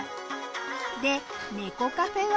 で猫カフェは？